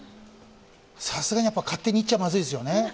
さすがに勝手に行っちゃまずいですよね。